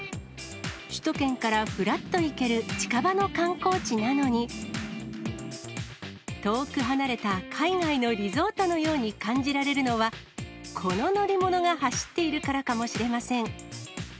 首都圏からふらっと行ける近場の観光地なのに、遠く離れた海外のリゾートのように感じられるのは、この乗り物が走っているからかもしれません。